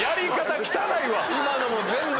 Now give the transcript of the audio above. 今のも全部。